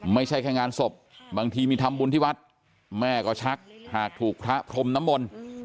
ไม่ใช่แค่งานศพบางทีมีทำบุญที่วัดแม่ก็ชักหากถูกพระพรมน้ำมนต์